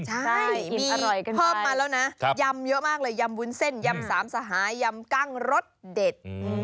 ใช่มีอร่อยเพิ่มมาแล้วนะยำเยอะมากเลยยำวุ้นเส้นยำสามสหายำกั้งรสเด็ด